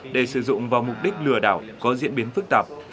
để sử dụng vào mục đích lừa đảo có diễn biến phức tạp